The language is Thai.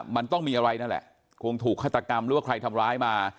มันต้องมีอะไรนั่นแหละคงถูกฆาตกรรมหรือว่าใครทำร้ายมา